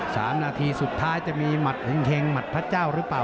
สามนาทีสุดท้ายจะมีหัดเห็งหมัดพระเจ้าหรือเปล่า